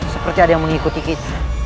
seperti ada yang mau ikuti kita